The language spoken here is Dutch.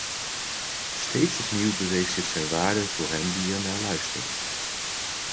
Steeds opnieuw bewees dit zijn waarde voor hen die ernaar luisterden.